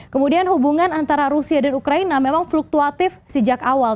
kemudian hubungan antara rusia dan ukraina memang fluktuatif sejak awal